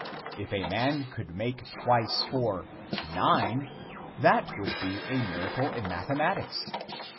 If a man could make twice four, nine, that would be a miracle in mathematics.